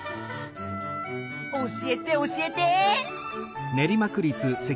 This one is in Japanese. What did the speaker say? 教えて教えて！